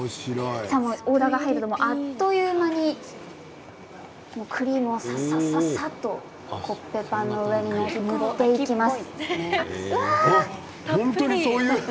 オーダーが入るとあっという間にクリームをさささっとコッペパンの上に塗っていきます。